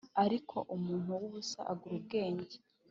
ariko umuntu w’ubusa abura ubwenge,